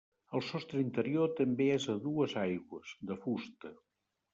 El sostre interior també és a dues aigües, de fusta.